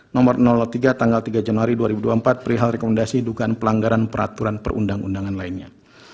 nomor tiga tanggal tiga januari dua ribu dua puluh empat perihal rekomendasi dugaan pelanggaran peraturan perundang undangan lainnya